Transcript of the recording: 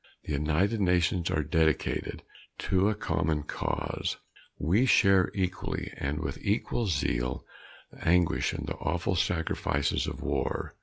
The United Nations are dedicated to a common cause. We share equally and with equal zeal the anguish and the awful sacrifices of war.